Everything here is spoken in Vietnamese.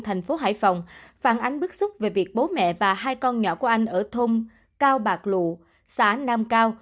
thành phố hải phòng phản ánh bức xúc về việc bố mẹ và hai con nhỏ của anh ở thôn cao bạc lụ xã nam cao